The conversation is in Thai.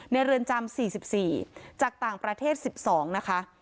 เรือนจำ๔๔จากต่างประเทศ๑๒นะคะ